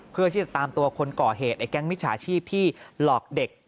เพื่อที่จะตามตัวคนก่อเหตุไอ้แก๊งมิจฉาชีพที่หลอกเด็ก